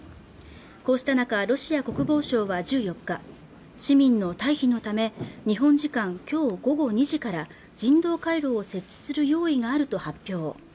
こうした中ロシア国防省は１４日市民の退避のため日本時間きょう午後２時から人道回廊を設置する用意があると発表